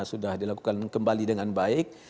sudah dilakukan kembali dengan baik